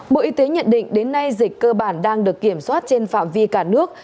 bộ y tế nhận định đến nay dịch cơ bản đang được kiểm soát trên phạm vi cả nước